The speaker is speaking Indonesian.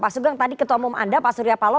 pak sugeng tadi ketemu anda pak suryapalo